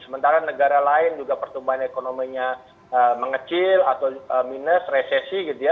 sementara negara lain juga pertumbuhan ekonominya mengecil atau minus resesi gitu ya